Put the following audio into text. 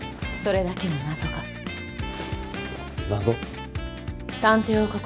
それだけの謎が。